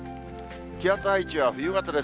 気圧配置は冬型です。